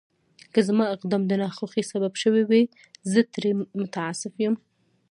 که زما اقدام د ناخوښۍ سبب شوی وي، زه ترې متأسف یم.